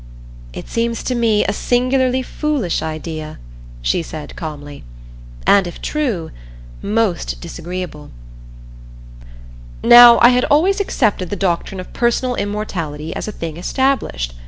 "It seems to me a singularly foolish idea," she said calmly. "And if true, most disagreeable." Now I had always accepted the doctrine of personal immortality as a thing established.